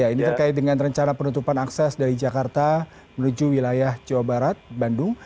ini terkait dengan rencana penutupan akses dari jakarta menuju wilayah jawa barat bandung